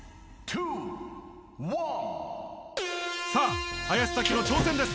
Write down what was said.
さあ、林咲希の挑戦です。